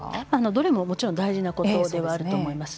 どれももちろん大事なことではあると思います。